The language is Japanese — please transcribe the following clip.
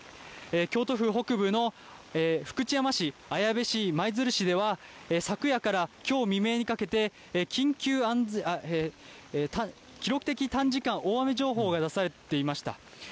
京都府北部の福知山市、綾部市、舞鶴市では昨夜からきょう未明にかけて、記録的短時間大雨情報が出されていました。